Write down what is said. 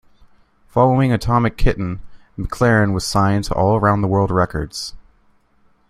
Following Atomic Kitten, McClarnon was signed to All Around the World Records.